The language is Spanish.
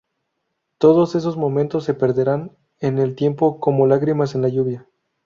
Todos esos momentos se perderán en el tiempo como lágrimas en la lluvia